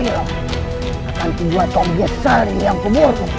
tidak akan ku buat kau biasa hari yang kembali